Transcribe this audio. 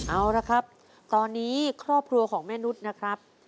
เอาละครับตอนนี้ครอบครัวของแม่นุษย์นะครับ